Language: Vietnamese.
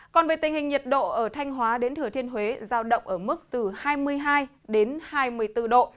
còn về tình hình nhiệt độ ở thanh hóa đến thừa thiên huế giao động ở mức từ hai mươi hai đến hai mươi bốn độ